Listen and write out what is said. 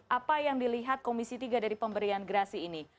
apa yang dilihat komisi tiga dari pemberian gerasi ini